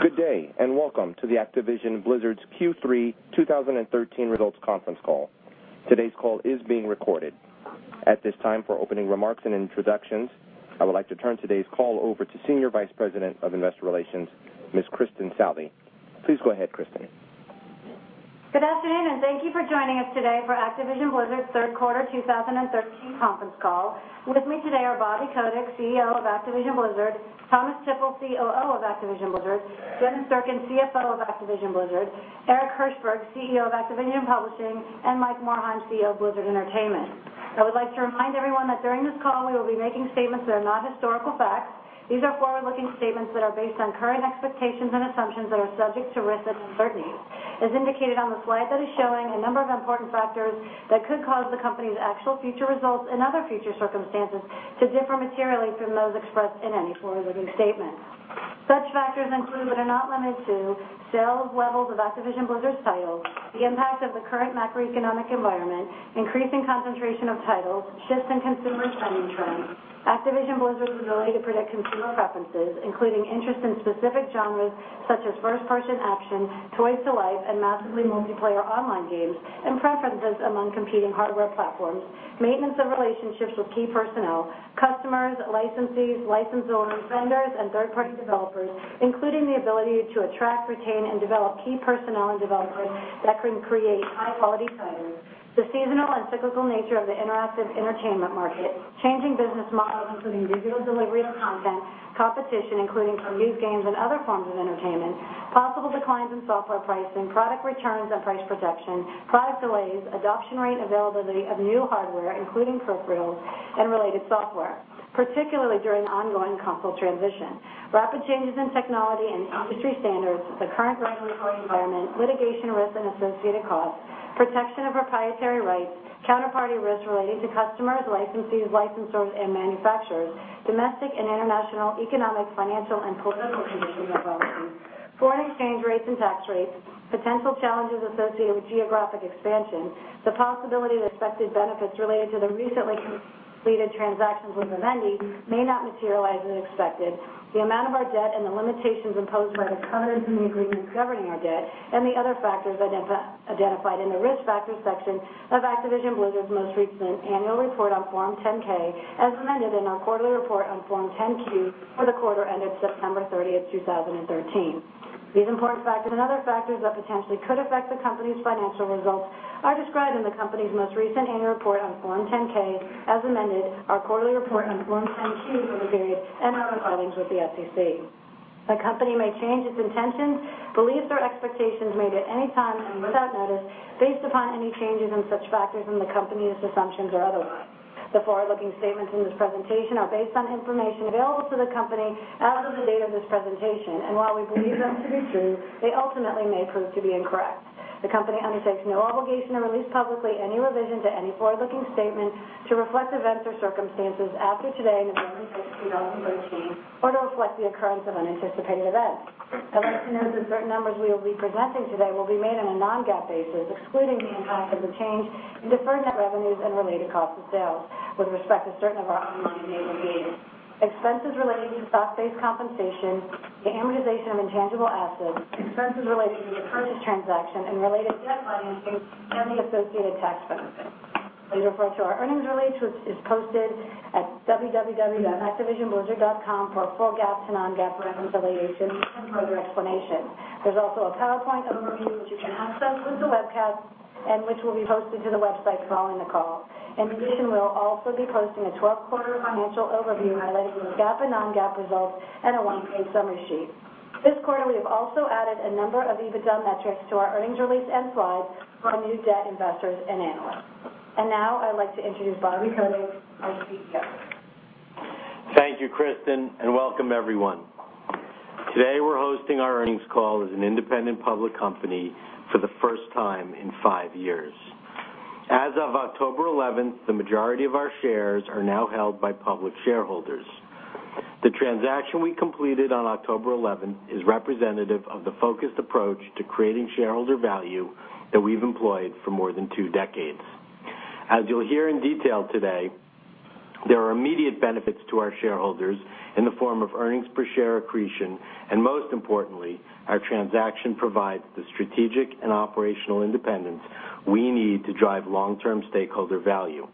Good day. Welcome to the Activision Blizzard's Q3 2013 results conference call. Today's call is being recorded. At this time, for opening remarks and introductions, I would like to turn today's call over to Senior Vice President of Investor Relations, Ms. Kristin Southey. Please go ahead, Kristin. Good afternoon. Thank you for joining us today for Activision Blizzard's third quarter 2013 conference call. With me today are Bobby Kotick, CEO of Activision Blizzard; Thomas Tippl, COO of Activision Blizzard; Dennis Durkin, CFO of Activision Blizzard; Eric Hirshberg, CEO of Activision Publishing; and Mike Morhaime, CEO of Blizzard Entertainment. I would like to remind everyone that during this call, we will be making statements that are not historical facts. These are forward-looking statements that are based on current expectations and assumptions that are subject to risks and uncertainties. As indicated on the slide that is showing, a number of important factors that could cause the company's actual future results and other future circumstances to differ materially from those expressed in any forward-looking statement. Such factors include, but are not limited to, sales levels of Activision Blizzard's titles, the impact of the current macroeconomic environment, increasing concentration of titles, shifts in consumer spending trends, Activision Blizzard's ability to predict consumer preferences, including interest in specific genres such as first-person action, toys to life, and massively multiplayer online games, and preferences among competing hardware platforms. Maintenance of relationships with key personnel, customers, licensees, license owners, vendors, and third-party developers, including the ability to attract, retain, and develop key personnel and developers that can create high-quality titles. The seasonal and cyclical nature of the interactive entertainment market, changing business models, including digital delivery of content, competition, including from used games and other forms of entertainment, possible declines in software pricing, product returns and price protection, product delays, adoption rate and availability of new hardware, including peripherals and related software, particularly during ongoing console transition. Rapid changes in technology and industry standards, the current regulatory environment, litigation risk and associated costs, protection of proprietary rights, counterparty risk relating to customers, licensees, licensors, and manufacturers, domestic and international economic, financial, and political conditions and policies, foreign exchange rates and tax rates, potential challenges associated with geographic expansion, the possibility that expected benefits related to the recently completed transactions with Vivendi may not materialize as expected. The amount of our debt and the limitations imposed by the covenants in the agreements governing our debt, the other factors identified in the Risk Factors section of Activision Blizzard's most recent annual report on Form 10-K, as amended in our quarterly report on Form 10-Q for the quarter ended September 30th, 2013. These important factors and other factors that potentially could affect the company's financial results are described in the company's most recent annual report on Form 10-K, as amended, our quarterly report on Form 10-Q for the period, and other filings with the SEC. The company may change its intentions, beliefs, or expectations made at any time and without notice, based upon any changes in such factors from the company's assumptions or otherwise. The forward-looking statements in this presentation are based on information available to the company as of the date of this presentation, and while we believe them to be true, they ultimately may prove to be incorrect. The company undertakes no obligation to release publicly any revision to any forward-looking statement to reflect events or circumstances after today, November 5th, 2013, or to reflect the occurrence of unanticipated events. I'd like to note that certain numbers we will be presenting today will be made on a non-GAAP basis, excluding the impact of the change in deferred net revenues and related cost of sales with respect to certain of our online enable fees. Expenses related to stock-based compensation, the amortization of intangible assets, expenses related to the purchase transaction and related debt financing, and the associated tax benefits. Please refer to our earnings release, which is posted at www.activisionblizzard.com for a full GAAP to non-GAAP reconciliation and further explanation. There's also a PowerPoint overview which you can access through the webcast and which will be posted to the website following the call. In addition, we'll also be posting a 12-quarter financial overview highlighting both GAAP and non-GAAP results and a one-page summary sheet. This quarter, we have also added a number of EBITDA metrics to our earnings release and slides for new debt investors and analysts. Now I'd like to introduce Bobby Kotick, our CEO. Thank you, Kristin, and welcome everyone. Today, we're hosting our earnings call as an independent public company for the first time in five years. As of October 11th, the majority of our shares are now held by public shareholders. The transaction we completed on October 11th is representative of the focused approach to creating shareholder value that we've employed for more than two decades. As you'll hear in detail today, there are immediate benefits to our shareholders in the form of earnings per share accretion, and most importantly, our transaction provides the strategic and operational independence we need to drive long-term stakeholder value.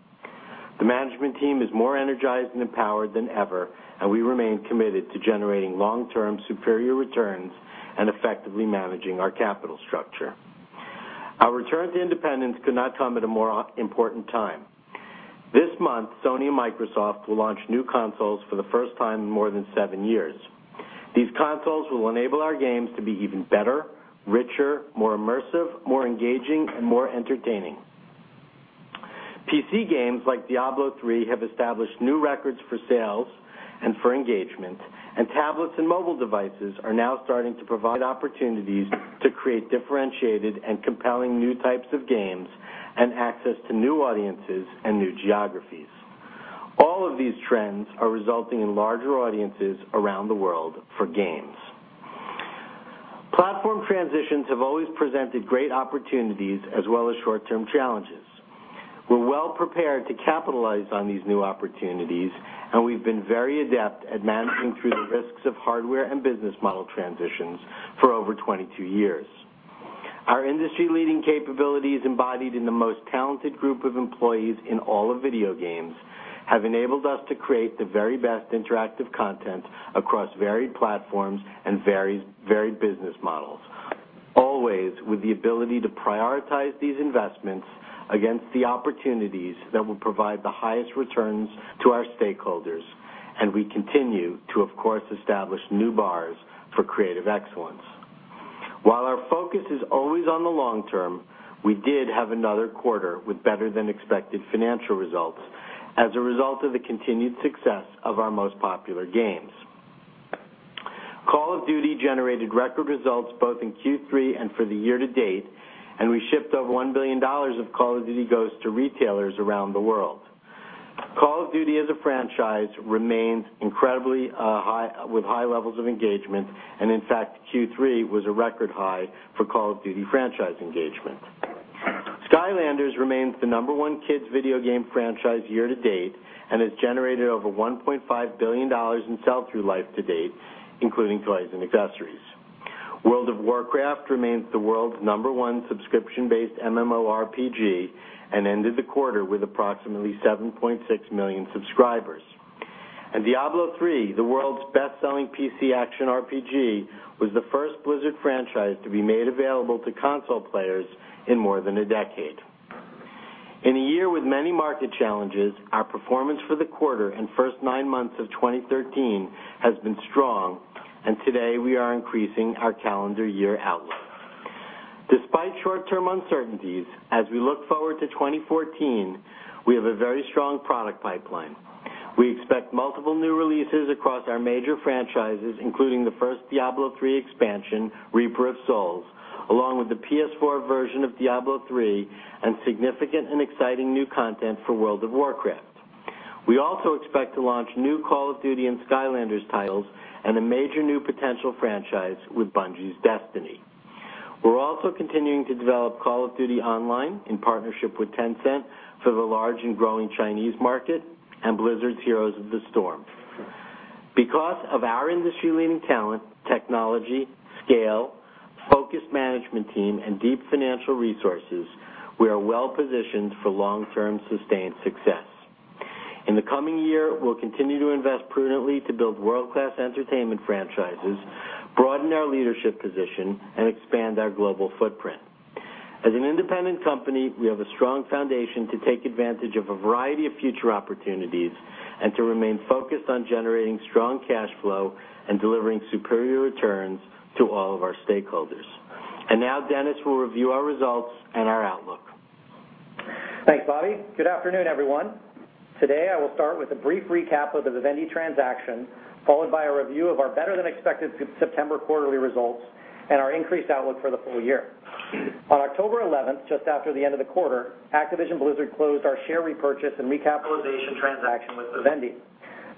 The management team is more energized and empowered than ever, and we remain committed to generating long-term superior returns and effectively managing our capital structure. Our return to independence could not come at a more important time. This month, Sony and Microsoft will launch new consoles for the first time in more than seven years. These consoles will enable our games to be even better, richer, more immersive, more engaging, and more entertaining. PC games like Diablo III have established new records for sales and for engagement, and tablets and mobile devices are now starting to provide opportunities to create differentiated and compelling new types of games and access to new audiences and new geographies. All of these trends are resulting in larger audiences around the world for games. Platform transitions have always presented great opportunities as well as short-term challenges. We're well-prepared to capitalize on these new opportunities, and we've been very adept at managing through the risks of hardware and business model transitions for over 22 years. Our industry-leading capabilities, embodied in the most talented group of employees in all of video games, have enabled us to create the very best interactive content across varied platforms and varied business models, always with the ability to prioritize these investments against the opportunities that will provide the highest returns to our stakeholders. We continue to, of course, establish new bars for creative excellence. While our focus is always on the long term, we did have another quarter with better than expected financial results as a result of the continued success of our most popular games. Call of Duty generated record results both in Q3 and for the year to date, and we shipped over $1 billion of Call of Duty: Ghosts to retailers around the world. Call of Duty as a franchise remains incredibly high with high levels of engagement, and in fact, Q3 was a record high for Call of Duty franchise engagement. Skylanders remains the number 1 kids video game franchise year to date and has generated over $1.5 billion in sell-through life to date, including toys and accessories. World of Warcraft remains the world's number 1 subscription-based MMORPG and ended the quarter with approximately 7.6 million subscribers. Diablo III, the world's best-selling PC action RPG, was the first Blizzard franchise to be made available to console players in more than a decade. In a year with many market challenges, our performance for the quarter and first nine months of 2013 has been strong, and today, we are increasing our calendar year outlook. Despite short-term uncertainties, as we look forward to 2014, we have a very strong product pipeline. We expect multiple new releases across our major franchises, including the first Diablo III expansion, Reaper of Souls, along with the PS4 version of Diablo III and significant and exciting new content for World of Warcraft. We also expect to launch new Call of Duty and Skylanders titles and a major new potential franchise with Bungie's Destiny. We're also continuing to develop Call of Duty Online in partnership with Tencent for the large and growing Chinese market and Blizzard's Heroes of the Storm. Because of our industry-leading talent, technology, scale, focused management team, and deep financial resources, we are well-positioned for long-term, sustained success. In the coming year, we'll continue to invest prudently to build world-class entertainment franchises, broaden our leadership position, and expand our global footprint. As an independent company, we have a strong foundation to take advantage of a variety of future opportunities and to remain focused on generating strong cash flow and delivering superior returns to all of our stakeholders. Now Dennis will review our results and our outlook. Thanks, Bobby. Good afternoon, everyone. Today, I will start with a brief recap of the Vivendi transaction, followed by a review of our better-than-expected September quarterly results and our increased outlook for the full year. On October 11th, just after the end of the quarter, Activision Blizzard closed our share repurchase and recapitalization transaction with Vivendi.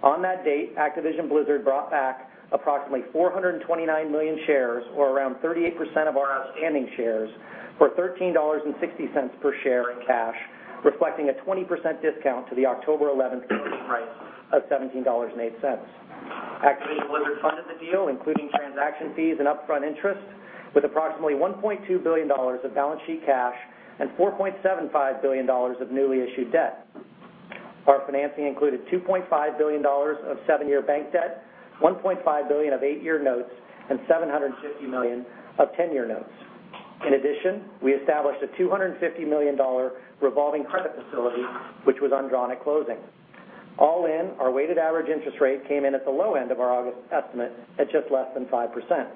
On that date, Activision Blizzard brought back approximately 429 million shares, or around 38% of our outstanding shares, for $13.60 per share in cash, reflecting a 20% discount to the October 11th closing price of $17.08. Activision Blizzard funded the deal, including transaction fees and upfront interest, with approximately $1.2 billion of balance sheet cash and $4.75 billion of newly issued debt. Our financing included $2.5 billion of seven-year bank debt, $1.5 billion of eight-year notes, and $750 million of 10-year notes. In addition, we established a $250 million revolving credit facility, which was undrawn at closing. All in, our weighted average interest rate came in at the low end of our August estimate, at just less than 5%.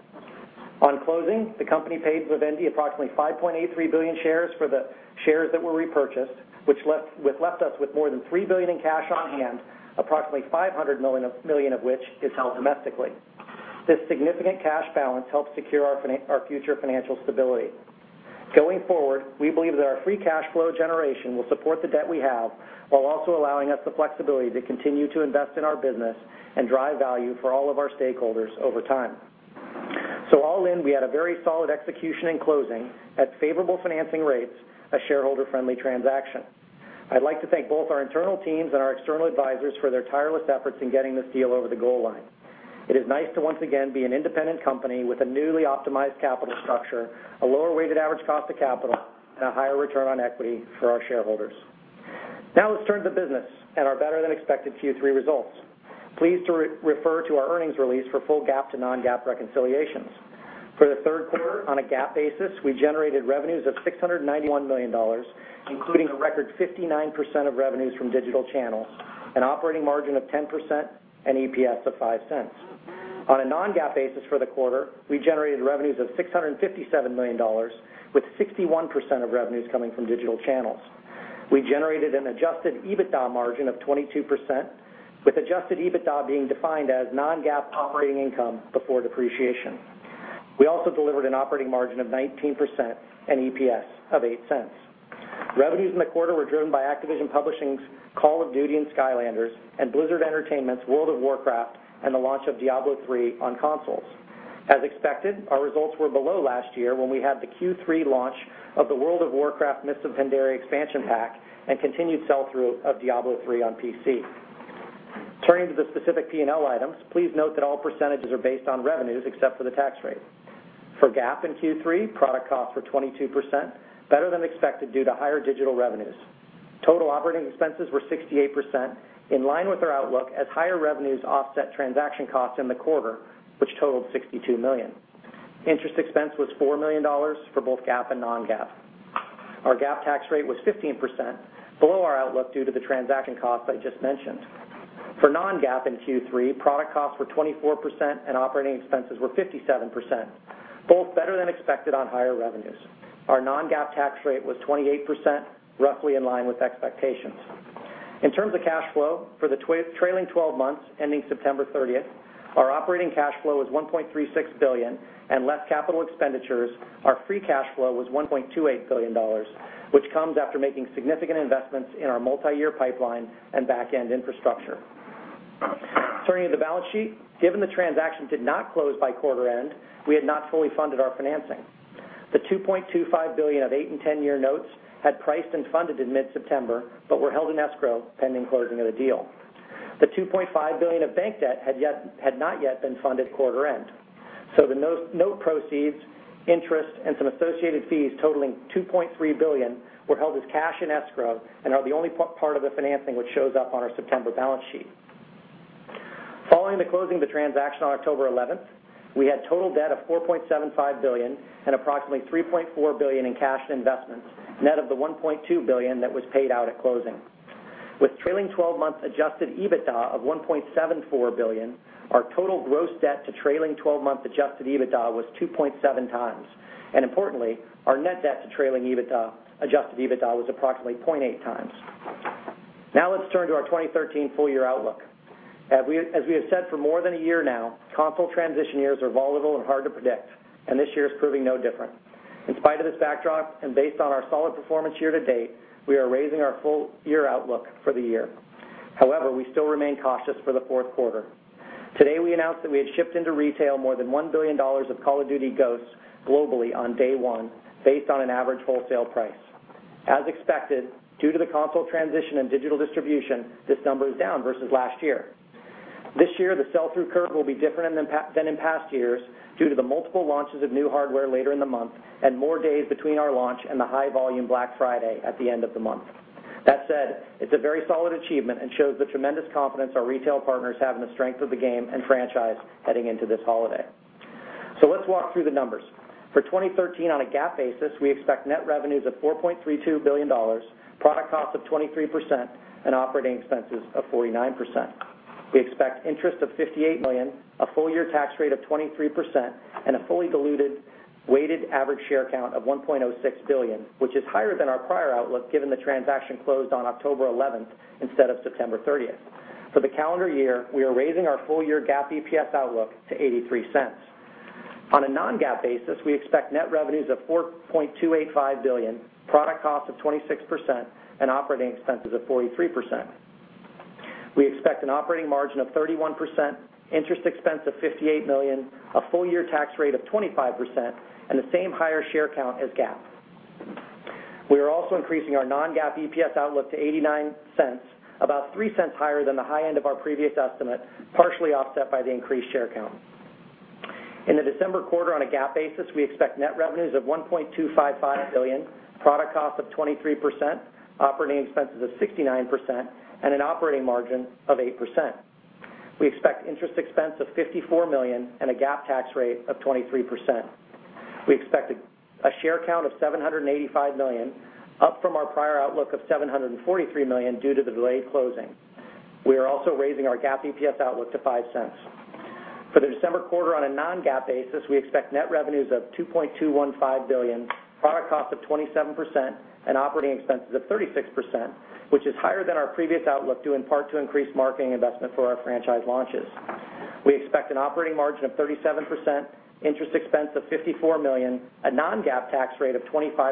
On closing, the company paid Vivendi approximately $5.83 billion for the shares that were repurchased, which left us with more than $3 billion in cash on hand, approximately $500 million of which is held domestically. This significant cash balance helps secure our future financial stability. Going forward, we believe that our free cash flow generation will support the debt we have while also allowing us the flexibility to continue to invest in our business and drive value for all of our stakeholders over time. All in, we had a very solid execution and closing at favorable financing rates, a shareholder-friendly transaction. I'd like to thank both our internal teams and our external advisors for their tireless efforts in getting this deal over the goal line. It is nice to once again be an independent company with a newly optimized capital structure, a lower weighted average cost of capital, and a higher return on equity for our shareholders. Let's turn to business and our better-than-expected Q3 results. Please refer to our earnings release for full GAAP to non-GAAP reconciliations. For the third quarter, on a GAAP basis, we generated revenues of $691 million, including a record 59% of revenues from digital channels, an operating margin of 10%, and EPS of $0.05. On a non-GAAP basis for the quarter, we generated revenues of $657 million, with 61% of revenues coming from digital channels. We generated an adjusted EBITDA margin of 22%, with adjusted EBITDA being defined as non-GAAP operating income before depreciation. We also delivered an operating margin of 19% and EPS of $0.08. Revenues in the quarter were driven by Activision Publishing's Call of Duty and Skylanders and Blizzard Entertainment's World of Warcraft and the launch of Diablo III on consoles. As expected, our results were below last year when we had the Q3 launch of the World of Warcraft: Mists of Pandaria expansion pack and continued sell-through of Diablo III on PC. Turning to the specific P&L items, please note that all percentages are based on revenues except for the tax rate. For GAAP in Q3, product costs were 22%, better than expected due to higher digital revenues. Total operating expenses were 68%, in line with our outlook as higher revenues offset transaction costs in the quarter, which totaled $62 million. Interest expense was $4 million for both GAAP and non-GAAP. Our GAAP tax rate was 15%, below our outlook due to the transaction costs I just mentioned. For non-GAAP in Q3, product costs were 24% and operating expenses were 57%, both better than expected on higher revenues. Our non-GAAP tax rate was 28%, roughly in line with expectations. In terms of cash flow for the trailing 12 months ending September 30th, our operating cash flow was $1.36 billion and less capital expenditures, our free cash flow was $1.28 billion, which comes after making significant investments in our multi-year pipeline and back-end infrastructure. Turning to the balance sheet, given the transaction did not close by quarter end, we had not fully funded our financing. The $2.25 billion of 8 and 10-year notes had priced and funded in mid-September but were held in escrow pending closing of the deal. The $2.5 billion of bank debt had not yet been funded quarter end. The note proceeds, interest, and some associated fees totaling $2.3 billion were held as cash in escrow and are the only part of the financing which shows up on our September balance sheet. Following the closing of the transaction on October 11th, we had total debt of $4.75 billion and approximately $3.4 billion in cash and investments, net of the $1.2 billion that was paid out at closing. With trailing 12-month adjusted EBITDA of $1.74 billion, our total gross debt to trailing 12-month adjusted EBITDA was 2.7 times. Importantly, our net debt to trailing adjusted EBITDA was approximately 0.8 times. Now let's turn to our 2013 full-year outlook. As we have said for more than a year now, console transition years are volatile and hard to predict, and this year is proving no different. In spite of this backdrop and based on our solid performance year to date, we are raising our full-year outlook for the year. However, we still remain cautious for the fourth quarter. Today, we announced that we had shipped into retail more than $1 billion of Call of Duty: Ghosts globally on day one, based on an average wholesale price. As expected, due to the console transition and digital distribution, this number is down versus last year. This year, the sell-through curve will be different than in past years due to the multiple launches of new hardware later in the month and more days between our launch and the high-volume Black Friday at the end of the month. That said, it's a very solid achievement and shows the tremendous confidence our retail partners have in the strength of the game and franchise heading into this holiday. Let's walk through the numbers. For 2013, on a GAAP basis, we expect net revenues of $4.32 billion, product cost of 23%, and operating expenses of 49%. We expect interest of $58 million, a full-year tax rate of 23%, and a fully diluted weighted average share count of 1.06 billion, which is higher than our prior outlook given the transaction closed on October 11th instead of September 30th. For the calendar year, we are raising our full-year GAAP EPS outlook to $0.83. On a non-GAAP basis, we expect net revenues of $4.285 billion, product cost of 26%, and operating expenses of 43%. We expect an operating margin of 31%, interest expense of $58 million, a full-year tax rate of 25%, and the same higher share count as GAAP. We are also increasing our non-GAAP EPS outlook to $0.89, about $0.03 higher than the high end of our previous estimate, partially offset by the increased share count. In the December quarter on a GAAP basis, we expect net revenues of $1.255 billion, product cost of 23%, operating expenses of 69%, and an operating margin of 8%. We expect interest expense of $54 million and a GAAP tax rate of 23%. We expect a share count of 785 million, up from our prior outlook of 743 million due to the delayed closing. We are also raising our GAAP EPS outlook to $0.05. For the December quarter on a non-GAAP basis, we expect net revenues of $2.215 billion, product cost of 27%, and operating expenses of 36%, which is higher than our previous outlook due in part to increased marketing investment for our franchise launches. We expect an operating margin of 37%, interest expense of $54 million, a non-GAAP tax rate of 25%,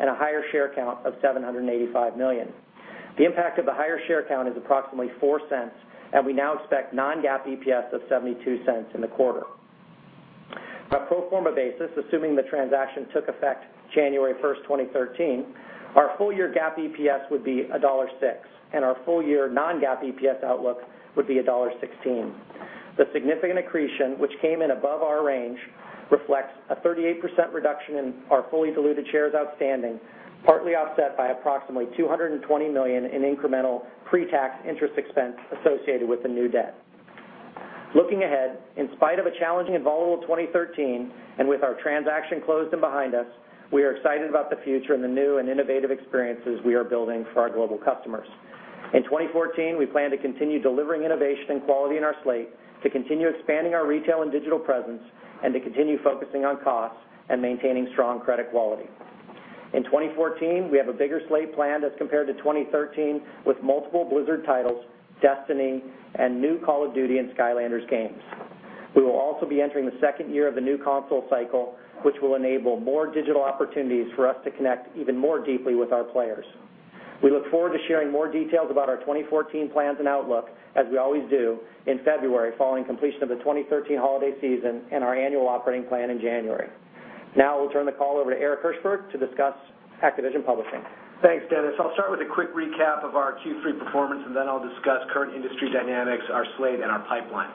and a higher share count of 785 million. The impact of the higher share count is approximately $0.04, and we now expect non-GAAP EPS of $0.72 in the quarter. On a pro forma basis, assuming the transaction took effect January 1st, 2013, our full-year GAAP EPS would be $1.06, and our full-year non-GAAP EPS outlook would be $1.16. The significant accretion which came in above our range reflects a 38% reduction in our fully diluted shares outstanding, partly offset by approximately $220 million in incremental pre-tax interest expense associated with the new debt. Looking ahead, in spite of a challenging and volatile 2013, and with our transaction closed and behind us, we are excited about the future and the new and innovative experiences we are building for our global customers. In 2014, we plan to continue delivering innovation and quality in our slate, to continue expanding our retail and digital presence, and to continue focusing on costs and maintaining strong credit quality. In 2014, we have a bigger slate planned as compared to 2013 with multiple Blizzard titles, Destiny, and new Call of Duty and Skylanders games. We will also be entering the second year of the new console cycle, which will enable more digital opportunities for us to connect even more deeply with our players. We look forward to sharing more details about our 2014 plans and outlook, as we always do, in February, following completion of the 2013 holiday season and our annual operating plan in January. We'll turn the call over to Eric Hirshberg to discuss Activision Publishing. Thanks, Dennis. I'll start with a quick recap of our Q3 performance. Then I'll discuss current industry dynamics, our slate, and our pipeline.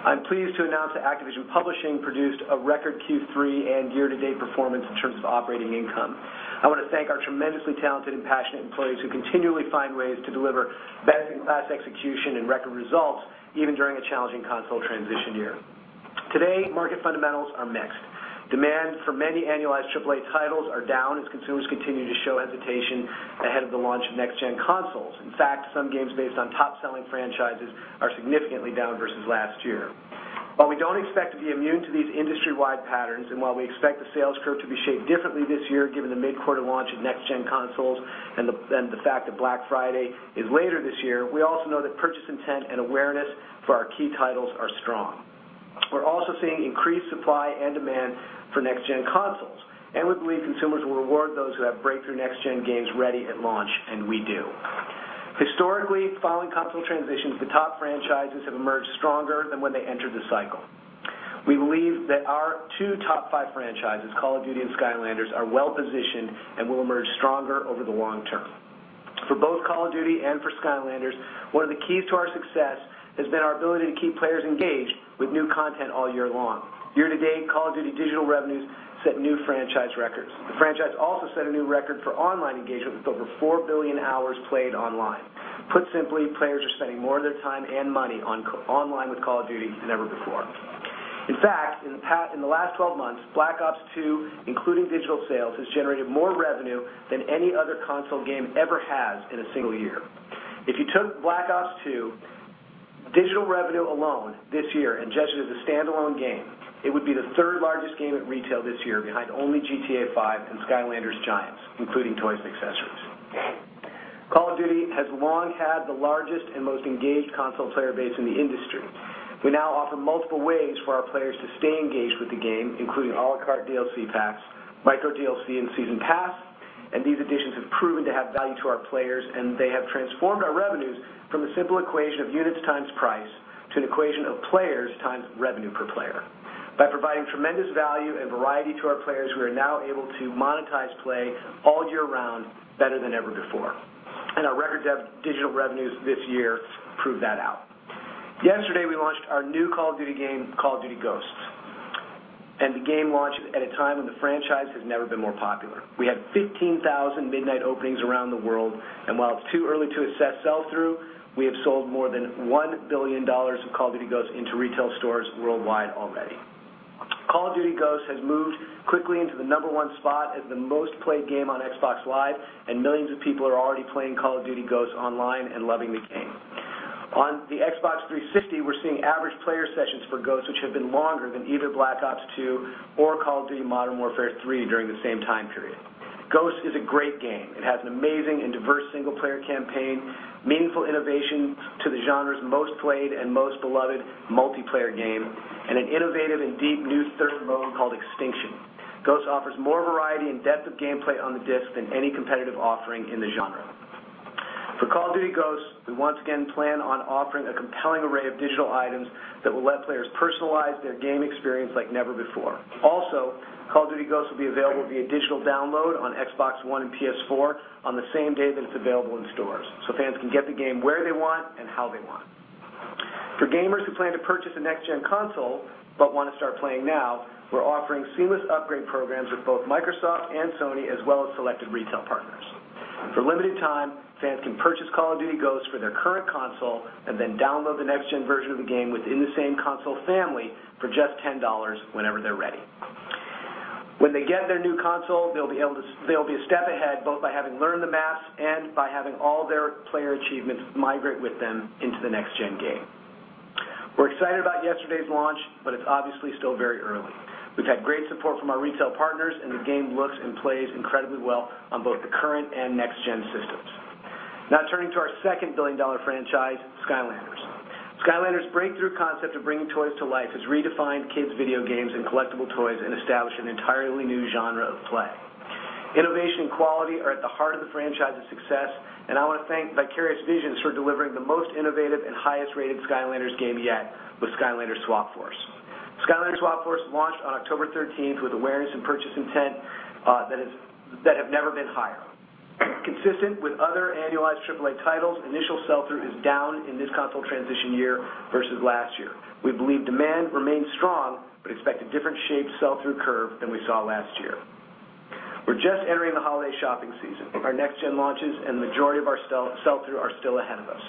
I'm pleased to announce that Activision Publishing produced a record Q3 and year-to-date performance in terms of operating income. I want to thank our tremendously talented and passionate employees who continually find ways to deliver best-in-class execution and record results, even during a challenging console transition year. Today, market fundamentals are mixed. Demand for many annualized AAA titles are down as consumers continue to show hesitation ahead of the launch of next-gen consoles. In fact, some games based on top-selling franchises are significantly down versus last year. While we don't expect to be immune to these industry-wide patterns, while we expect the sales curve to be shaped differently this year, given the mid-quarter launch of next-gen consoles and the fact that Black Friday is later this year, we also know that purchase intent and awareness for our key titles are strong. We're also seeing increased supply and demand for next-gen consoles. We believe consumers will reward those who have breakthrough next-gen games ready at launch. We do. Historically, following console transitions, the top franchises have emerged stronger than when they entered the cycle. We believe that our two top five franchises, "Call of Duty" and "Skylanders," are well-positioned and will emerge stronger over the long term. For both "Call of Duty" and for "Skylanders," one of the keys to our success has been our ability to keep players engaged with new content all year long. Year-to-date, "Call of Duty" digital revenues set new franchise records. The franchise also set a new record for online engagement with over four billion hours played online. Put simply, players are spending more of their time and money online with "Call of Duty" than ever before. In fact, in the last 12 months, "Black Ops II," including digital sales, has generated more revenue than any other console game ever has in a single year. If you took "Black Ops II" digital revenue alone this year and judged it as a standalone game, it would be the third largest game at retail this year behind only "GTA V" and "Skylanders Giants," including toys and accessories. Call of Duty" has long had the largest and most engaged console player base in the industry. We now offer multiple ways for our players to stay engaged with the game, including à la carte DLC packs, micro DLC, and season pass. These additions have proven to have value to our players. They have transformed our revenues from the simple equation of units times price to an equation of players times revenue per player. By providing tremendous value and variety to our players, we are now able to monetize play all year round better than ever before. Our record digital revenues this year prove that out. Yesterday, we launched our new "Call of Duty" game, "Call of Duty: Ghosts." The game launched at a time when the franchise has never been more popular. We had 15,000 midnight openings around the world. While it's too early to assess sell-through, we have sold more than $1 billion of Call of Duty: Ghosts into retail stores worldwide already. Call of Duty: Ghosts has moved quickly into the number one spot as the most-played game on Xbox Live, and millions of people are already playing Call of Duty: Ghosts online and loving the game. On the Xbox 360, we're seeing average player sessions for Ghosts which have been longer than either Black Ops II or Call of Duty: Modern Warfare 3 during the same time period. Ghosts is a great game. It has an amazing and diverse single-player campaign, meaningful innovation to the genre's most-played and most beloved multiplayer game, and an innovative and deep new third mode called Extinction. Ghosts offers more variety and depth of gameplay on the disc than any competitive offering in the genre. For Call of Duty: Ghosts, we once again plan on offering a compelling array of digital items that will let players personalize their game experience like never before. Call of Duty: Ghosts will be available via digital download on Xbox One and PS4 on the same day that it's available in stores. Fans can get the game where they want and how they want. For gamers who plan to purchase a next-gen console but want to start playing now, we're offering seamless upgrade programs with both Microsoft and Sony, as well as selected retail partners. For a limited time, fans can purchase Call of Duty: Ghosts for their current console and then download the next-gen version of the game within the same console family for just $10 whenever they're ready. When they get their new console, they'll be a step ahead, both by having learned the maps and by having all their player achievements migrate with them into the next-gen game. We're excited about yesterday's launch. It's obviously still very early. We've had great support from our retail partners. The game looks and plays incredibly well on both the current and next-gen systems. Turning to our second billion-dollar franchise, Skylanders. Skylanders' breakthrough concept of bringing toys to life has redefined kids video games and collectible toys and established an entirely new genre of play. Innovation and quality are at the heart of the franchise's success. I want to thank Vicarious Visions for delivering the most innovative and highest-rated Skylanders game yet with Skylanders: Swap Force. Skylanders: Swap Force launched on October 13th with awareness and purchase intent that have never been higher. Consistent with other annualized AAA titles, initial sell-through is down in this console transition year versus last year. We believe demand remains strong. Expect a different-shaped sell-through curve than we saw last year. We're just entering the holiday shopping season. Our next-gen launches and the majority of our sell-through are still ahead of us.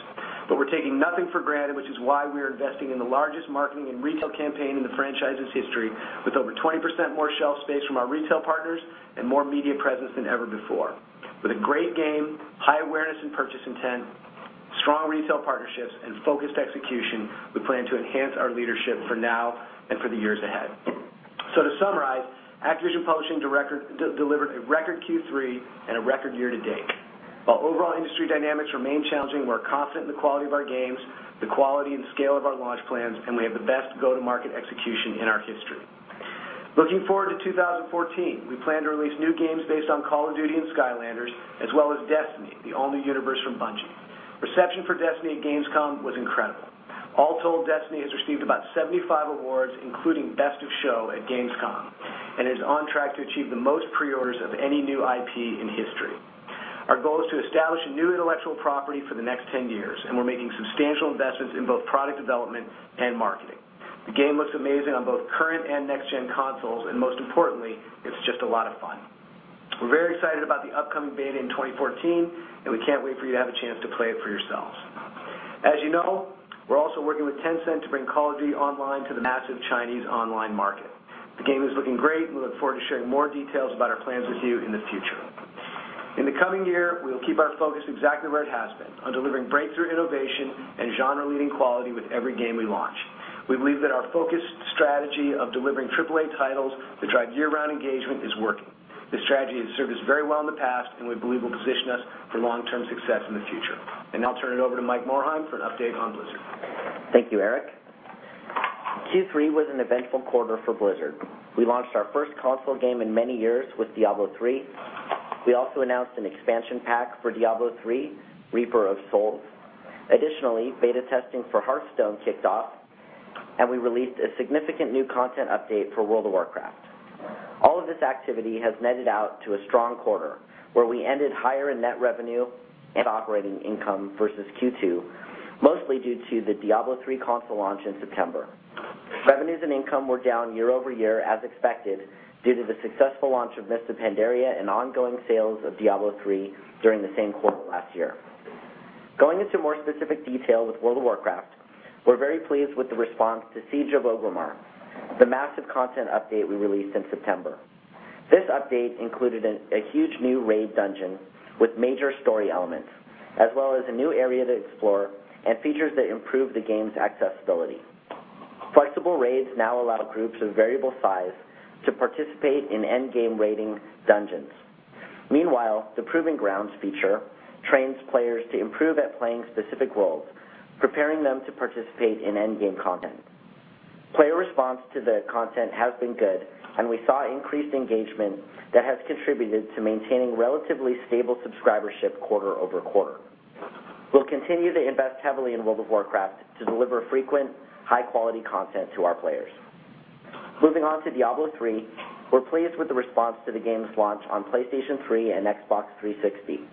We're taking nothing for granted, which is why we are investing in the largest marketing and retail campaign in the franchise's history, with over 20% more shelf space from our retail partners and more media presence than ever before. With a great game, high awareness and purchase intent, strong retail partnerships, and focused execution, we plan to enhance our leadership for now and for the years ahead. To summarize, Activision Publishing delivered a record Q3 and a record year-to-date. While overall industry dynamics remain challenging, we're confident in the quality of our games, the quality and scale of our launch plans, and we have the best go-to-market execution in our history. Looking forward to 2014, we plan to release new games based on "Call of Duty" and "Skylanders", as well as "Destiny", the all-new universe from Bungie. Reception for "Destiny" at Gamescom was incredible. All told, "Destiny" has received about 75 awards, including Best of Show at Gamescom, and is on track to achieve the most pre-orders of any new IP in history. Our goal is to establish a new intellectual property for the next 10 years. We're making substantial investments in both product development and marketing. The game looks amazing on both current and next-gen consoles. Most importantly, it's just a lot of fun. We're very excited about the upcoming beta in 2014. We can't wait for you to have a chance to play it for yourselves. As you know, we're also working with Tencent to bring "Call of Duty Online" to the massive Chinese online market. The game is looking great. We look forward to sharing more details about our plans with you in the future. In the coming year, we will keep our focus exactly where it has been, on delivering breakthrough innovation and genre-leading quality with every game we launch. We believe that our focused strategy of delivering AAA titles to drive year-round engagement is working. This strategy has served us very well in the past and we believe will position us for long-term success in the future. Now I'll turn it over to Mike Morhaime for an update on Blizzard. Thank you, Eric. Q3 was an eventful quarter for Blizzard. We launched our first console game in many years with "Diablo III". We also announced an expansion pack for "Diablo III", "Reaper of Souls". Additionally, beta testing for "Hearthstone" kicked off. We released a significant new content update for "World of Warcraft". All of this activity has netted out to a strong quarter, where we ended higher in net revenue and operating income versus Q2, mostly due to the "Diablo III" console launch in September. Revenues and income were down year-over-year as expected due to the successful launch of "Mists of Pandaria" and ongoing sales of "Diablo III" during the same quarter last year. Going into more specific detail with "World of Warcraft", we're very pleased with the response to Siege of Orgrimmar, the massive content update we released in September. This update included a huge new raid dungeon with major story elements, as well as a new area to explore and features that improve the game's accessibility. Flexible Raids now allow groups of variable size to participate in endgame raiding dungeons. Meanwhile, the Proving Grounds feature trains players to improve at playing specific roles, preparing them to participate in endgame content. Player response to the content has been good. We saw increased engagement that has contributed to maintaining relatively stable subscribership quarter-over-quarter. We'll continue to invest heavily in "World of Warcraft" to deliver frequent, high-quality content to our players. Moving on to "Diablo III", we're pleased with the response to the game's launch on PlayStation 3 and Xbox 360.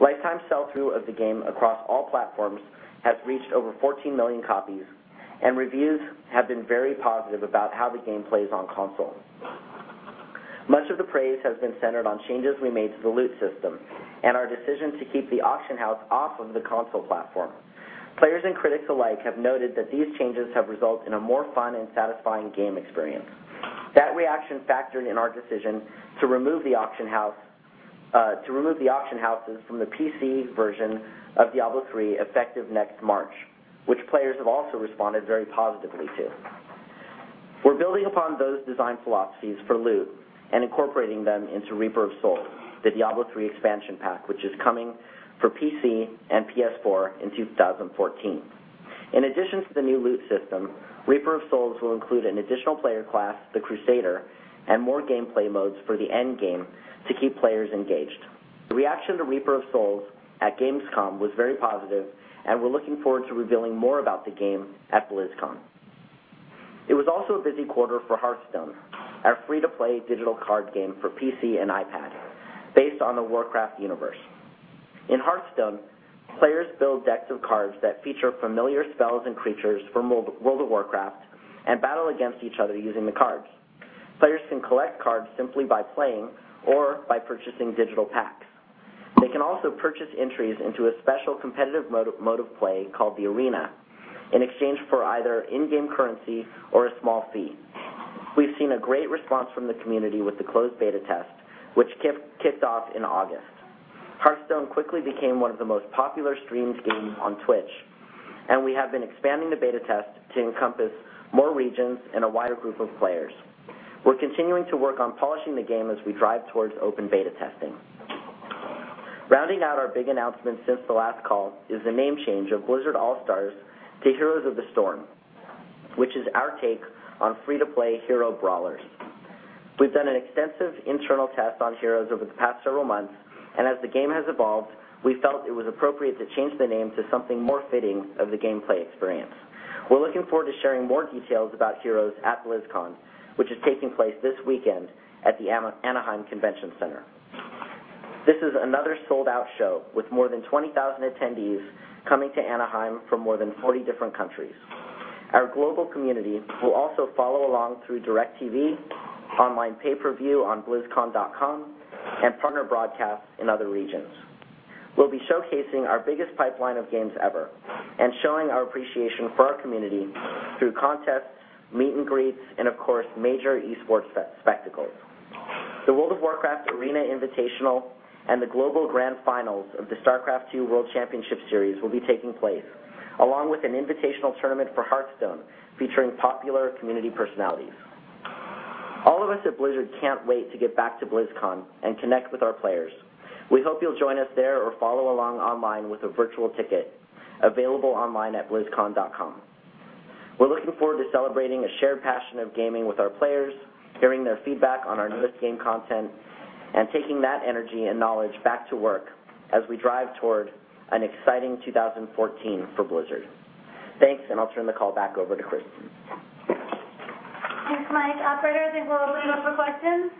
Lifetime sell-through of the game across all platforms has reached over 14 million copies. Reviews have been very positive about how the game plays on console. Much of the praise has been centered on changes we made to the loot system and our decision to keep the auction house off of the console platform. Players and critics alike have noted that these changes have resulted in a more fun and satisfying game experience. That reaction factored in our decision to remove the auction houses from the PC version of Diablo III effective next March, which players have also responded very positively to. We're building upon those design philosophies for loot and incorporating them into Reaper of Souls, the Diablo III expansion pack, which is coming for PC and PS4 in 2014. In addition to the new loot system, Reaper of Souls will include an additional player class, the Crusader, and more gameplay modes for the endgame to keep players engaged. The reaction to Reaper of Souls at Gamescom was very positive. We're looking forward to revealing more about the game at BlizzCon. It was also a busy quarter for Hearthstone, our free-to-play digital card game for PC and iPad based on the Warcraft universe. In Hearthstone, players build decks of cards that feature familiar spells and creatures from World of Warcraft and battle against each other using the cards. Players can collect cards simply by playing or by purchasing digital packs. They can also purchase entries into a special competitive mode of play called The Arena in exchange for either in-game currency or a small fee. We've seen a great response from the community with the closed beta test, which kicked off in August. Hearthstone quickly became one of the most popular streamed games on Twitch. We have been expanding the beta test to encompass more regions and a wider group of players. We're continuing to work on polishing the game as we drive towards open beta testing. Rounding out our big announcements since the last call is the name change of Blizzard All-Stars to Heroes of the Storm, which is our take on free-to-play hero brawlers. We've done an extensive internal test on Heroes over the past several months. As the game has evolved, we felt it was appropriate to change the name to something more fitting of the gameplay experience. We're looking forward to sharing more details about Heroes at BlizzCon, which is taking place this weekend at the Anaheim Convention Center. This is another sold-out show with more than 20,000 attendees coming to Anaheim from more than 40 different countries. Our global community will also follow along through DirecTV, online pay-per-view on blizzcon.com, and partner broadcasts in other regions. We'll be showcasing our biggest pipeline of games ever and showing our appreciation for our community through contests, meet and greets, and of course, major e-sports spectacles. The World of Warcraft Arena Invitational and the global grand finals of the StarCraft II World Championship Series will be taking place, along with an invitational tournament for Hearthstone featuring popular community personalities. All of us at Blizzard can't wait to get back to BlizzCon and connect with our players. We hope you'll join us there or follow along online with a virtual ticket available online at blizzcon.com. We're looking forward to celebrating a shared passion of gaming with our players, hearing their feedback on our newest game content, and taking that energy and knowledge back to work as we drive toward an exciting 2014 for Blizzard. Thanks, I'll turn the call back over to Kristin. Thanks, Mike. Operator, I think we'll open it up for questions.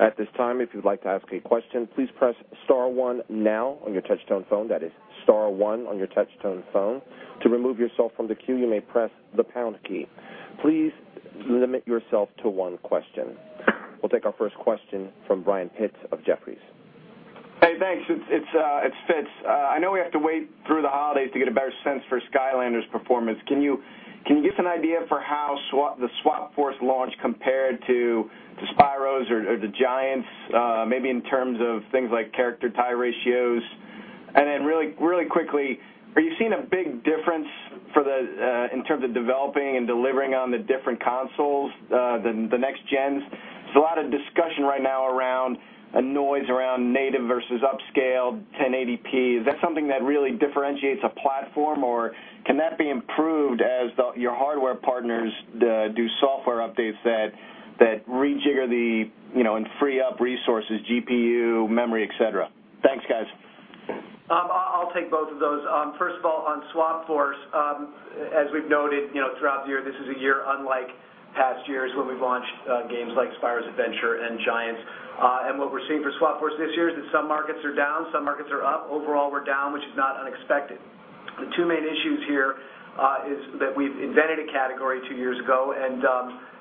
At this time, if you'd like to ask a question, please press star one now on your touch-tone phone. That is star one on your touch-tone phone. To remove yourself from the queue, you may press the pound key. Please limit yourself to one question. We'll take our first question from Brian Pitz of Jefferies. Hey, thanks. It's Pitz. I know we have to wait through the holidays to get a better sense for Skylanders performance. Can you give us an idea for how the Swap Force launch compared to Spyro's or the Giants, maybe in terms of things like character tie ratios? Then really quickly, are you seeing a big difference in terms of developing and delivering on the different consoles, the next gens? There's a lot of discussion right now around a noise around native versus upscale 1080p. Is that something that really differentiates a platform, or can that be improved as your hardware partners do software updates that rejigger and free up resources, GPU, memory, et cetera? Thanks, guys. I'll take both of those. First of all, on Swap Force, as we've noted throughout the year, this is a year unlike past years when we've launched games like Spyro's Adventure and Giants. What we're seeing for Swap Force this year is that some markets are down, some markets are up. Overall, we're down, which is not unexpected. The two main issues here is that we've invented a category two years ago,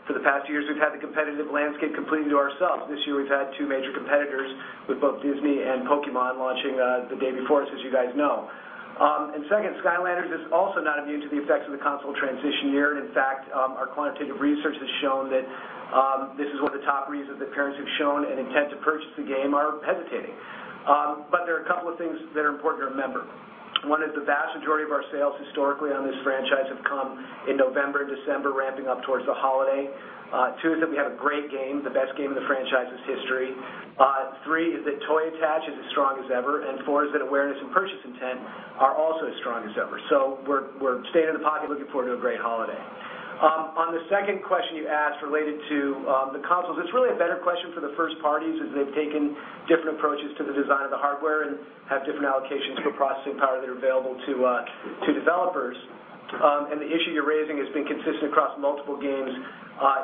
for the past two years, we've had the competitive landscape completely to ourselves. This year, we've had two major competitors with both Disney and Pokémon launching the day before us, as you guys know. Second, Skylanders is also not immune to the effects of the console transition year. In fact, our quantitative research has shown that this is one of the top reasons that parents who've shown an intent to purchase the game are hesitating. There are a couple of things that are important to remember. One is the vast majority of our sales historically on this franchise have come in November, December, ramping up towards the holiday. Two is that we have a great game, the best game in the franchise's history. Three is that toy attach is as strong as ever, and four is that awareness and purchase intent are also as strong as ever. We're staying in the pocket, looking forward to a great holiday. On the second question you asked related to the consoles, it's really a better question for the first parties as they've taken different approaches to the design of the hardware and have different allocations for processing power that are available to developers. The issue you're raising has been consistent across multiple games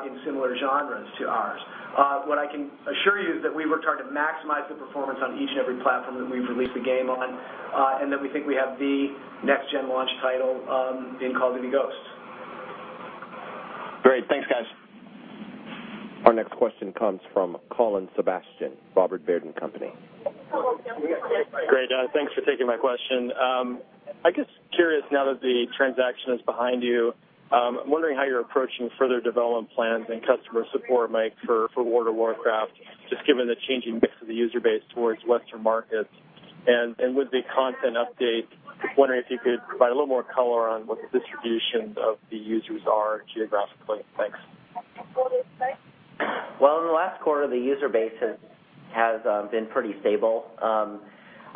in similar genres to ours. What I can assure you is that we worked hard to maximize the performance on each and every platform that we've released a game on, that we think we have the next-gen launch title in Call of Duty: Ghosts. Great. Thanks, guys. Our next question comes from Colin Sebastian, Robert W. Baird & Co. Great. Thanks for taking my question. I guess curious now that the transaction is behind you, I'm wondering how you're approaching further development plans and customer support, Mike, for World of Warcraft, just given the changing mix of the user base towards Western markets. With the content update, just wondering if you could provide a little more color on what the distributions of the users are geographically. Thanks. Well, in the last quarter, the user base has been pretty stable.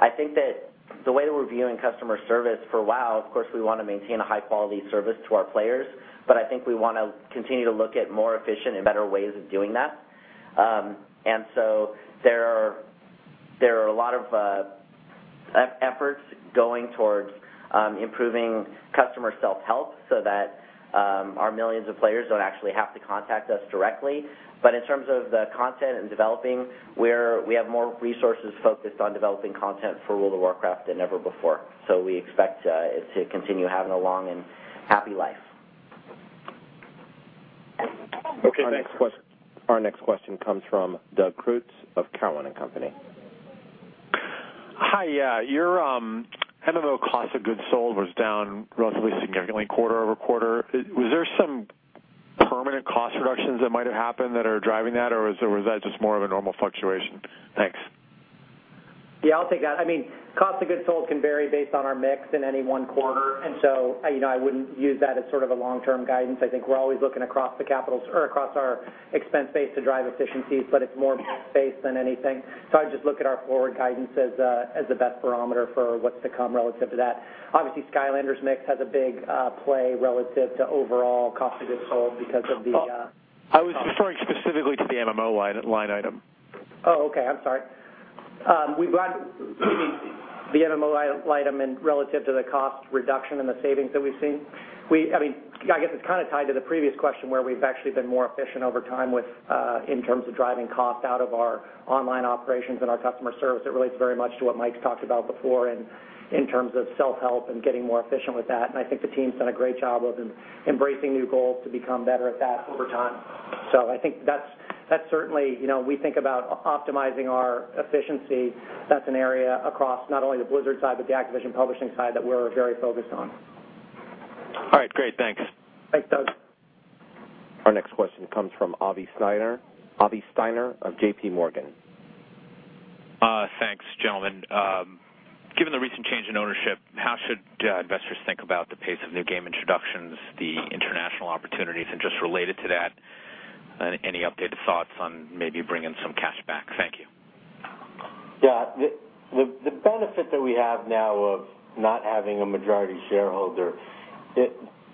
I think that the way that we're viewing customer service for WOW, of course, we want to maintain a high-quality service to our players, but I think we want to continue to look at more efficient and better ways of doing that. There are a lot of efforts going towards improving customer self-help so that our millions of players don't actually have to contact us directly. In terms of the content and developing, we have more resources focused on developing content for World of Warcraft than ever before. We expect it to continue having a long and happy life. Okay, thanks. Our next question comes from Doug Creutz of Cowen and Company. Hi. Your MMO cost of goods sold was down relatively significantly quarter-over-quarter. Was there some permanent cost reductions that might have happened that are driving that, or was that just more of a normal fluctuation? Thanks. Yeah, I'll take that. Cost of goods sold can vary based on our mix in any one quarter. I wouldn't use that as sort of a long-term guidance. I think we're always looking across our expense base to drive efficiencies. It's more mix-based than anything. I'd just look at our forward guidance as the best barometer for what's to come relative to that. Obviously, Skylanders mix has a big play relative to overall cost of goods sold. I was referring specifically to the MMO line item. Oh, okay. I'm sorry. You mean the MMO item relative to the cost reduction and the savings that we've seen? I guess it's kind of tied to the previous question where we've actually been more efficient over time in terms of driving cost out of our online operations and our customer service. It relates very much to what Mike's talked about before in terms of self-help and getting more efficient with that, and I think the team's done a great job of embracing new goals to become better at that over time. I think that's certainly, we think about optimizing our efficiency. That's an area across not only the Blizzard side, but the Activision Publishing side that we're very focused on. All right, great. Thanks. Thanks, Doug. Our next question comes from Avi Steiner of JPMorgan. Thanks, gentlemen. Given the recent changes, how should investors think about the pace of new game introductions, the international opportunities, and just related to that, any updated thoughts on maybe bringing some cash back? Thank you. Yeah. The benefit that we have now of not having a majority shareholder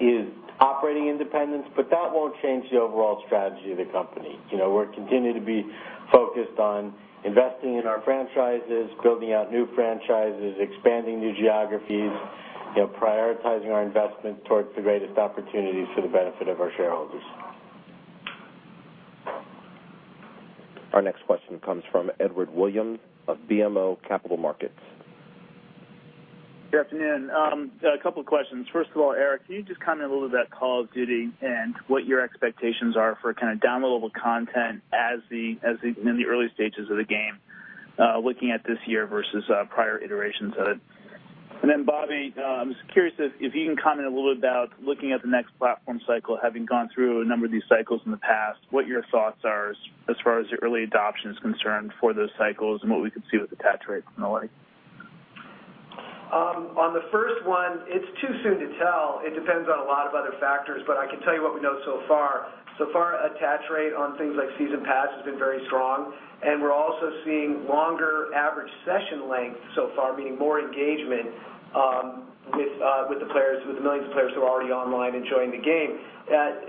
is operating independence, that won't change the overall strategy of the company. We're continuing to be focused on investing in our franchises, building out new franchises, expanding new geographies, prioritizing our investment towards the greatest opportunities for the benefit of our shareholders. Our next question comes from Edward Williams of BMO Capital Markets. Good afternoon. A couple questions. First of all, Eric, can you just comment a little about Call of Duty and what your expectations are for downloadable content in the early stages of the game, looking at this year versus prior iterations of it? Then Bobby, I'm just curious if you can comment a little about looking at the next platform cycle, having gone through a number of these cycles in the past, what your thoughts are as far as early adoption is concerned for those cycles and what we could see with attach rate and the like. On the first one, it is too soon to tell. It depends on a lot of other factors, but I can tell you what we know so far. So far, attach rate on things like season pass has been very strong, and we are also seeing longer average session length so far, meaning more engagement with the millions of players who are already online enjoying the game.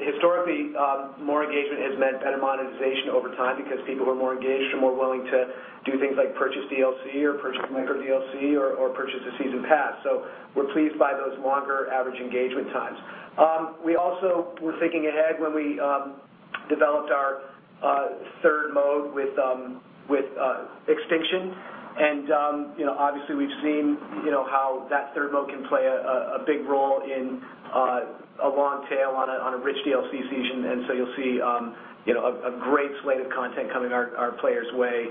Historically, more engagement has meant better monetization over time because people who are more engaged are more willing to do things like purchase DLC or purchase micro DLC or purchase a season pass. We are pleased by those longer average engagement times. We also were thinking ahead when we developed our third mode with Extinction. Obviously, we have seen how that third mode can play a big role in a long tail on a rich DLC season. You will see a great slate of content coming our players' way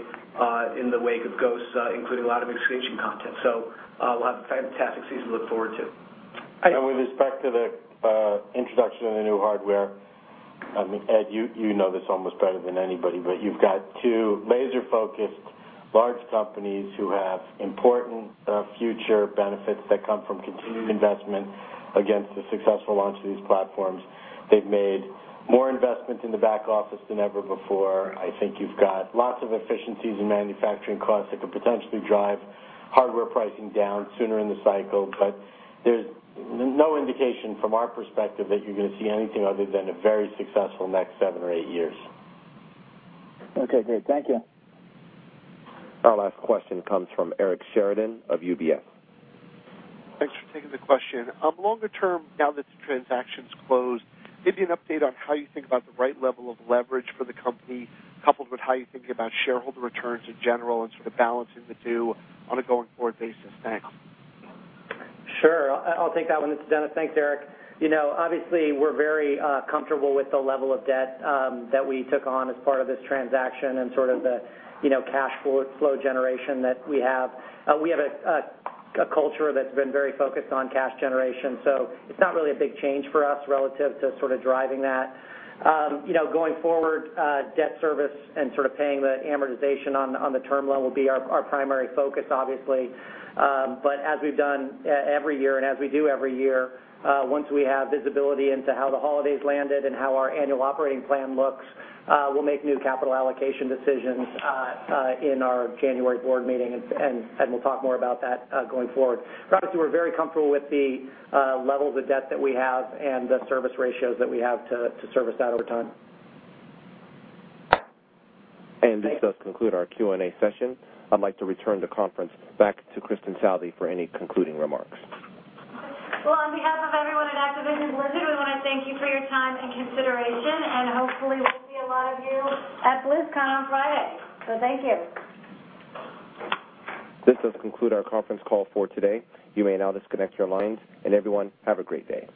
in the wake of Ghosts, including a lot of Extinction content. We will have a fantastic season to look forward to. With respect to the introduction of the new hardware, Ed, you know this almost better than anybody, but you have got two laser-focused large companies who have important future benefits that come from continued investment against the successful launch of these platforms. They have made more investments in the back office than ever before. I think you have got lots of efficiencies in manufacturing costs that could potentially drive hardware pricing down sooner in the cycle. There is no indication from our perspective that you are going to see anything other than a very successful next seven or eight years. Okay, great. Thank you. Our last question comes from Eric Sheridan of UBS. Thanks for taking the question. Longer term, now that the transaction's closed, give me an update on how you think about the right level of leverage for the company, coupled with how you think about shareholder returns in general and sort of balancing the two on a going forward basis. Thanks. Sure. I'll take that one. This is Dennis. Thanks, Eric. Obviously, we're very comfortable with the level of debt that we took on as part of this transaction and sort of the cash flow generation that we have. We have a culture that's been very focused on cash generation, so it's not really a big change for us relative to sort of driving that. Going forward, debt service and sort of paying the amortization on the term loan will be our primary focus, obviously. As we've done every year and as we do every year, once we have visibility into how the holidays landed and how our annual operating plan looks, we'll make new capital allocation decisions in our January board meeting, and we'll talk more about that going forward. Obviously, we're very comfortable with the level of the debt that we have and the service ratios that we have to service that over time. This does conclude our Q&A session. I'd like to return the conference back to Kristin Southey for any concluding remarks. Well, on behalf of everyone at Activision Blizzard, we want to thank you for your time and consideration, and hopefully, we'll see a lot of you at BlizzCon on Friday. Thank you. This does conclude our conference call for today. You may now disconnect your lines, and everyone, have a great day.